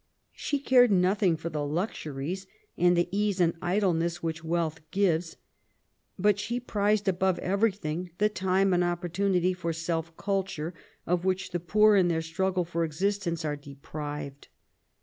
She cared nothing for the luxuries and the ease and idleness which wealth gives, but she prized above everything the time and opportunity for self culture of which the poor, in their struggle for existence, are deprived.